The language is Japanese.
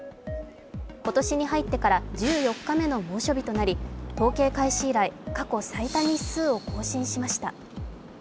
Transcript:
今年に入ってから１４日目の猛暑日となり統計開始以来、過去最多日数を更新しました。